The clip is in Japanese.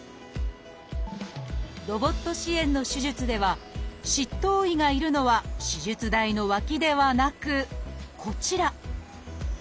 ロボット支援の手術では執刀医がいるのは手術台の脇ではなくこちら。